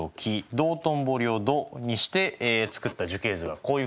道頓堀を「ど」にして作った樹形図はこういうふうになりました。